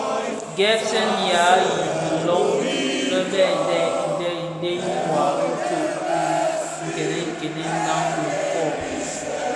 Gèpsèn ya i dhi loň lè bè dheb ndhèli wa bi tsom ki kènènkenen ndhan dhikō.